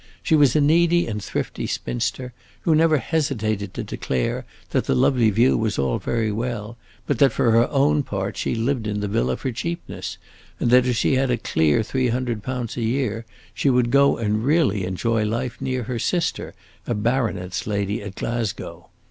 She was a needy and thrifty spinster, who never hesitated to declare that the lovely view was all very well, but that for her own part she lived in the villa for cheapness, and that if she had a clear three hundred pounds a year she would go and really enjoy life near her sister, a baronet's lady, at Glasgow.